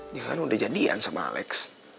dia kan udah jadian sama alex